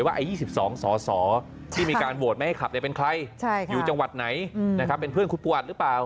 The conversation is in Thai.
ต์ที่มีการโหวตไม่เขาเป็นใครอยู่จังหวัดไหนเป็นเพื่อนคุกปวดหรือเปล่า